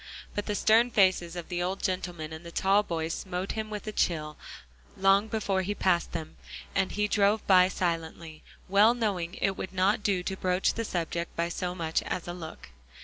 But the stern faces of the old gentleman and the tall boy smote him with a chill, long before he passed them, and he drove by silently, well knowing it would not do to broach the subject by so much as a look.